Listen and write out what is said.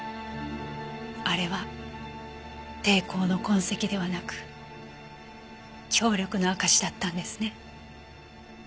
あれは抵抗の痕跡ではなく協力の証しだったんですね。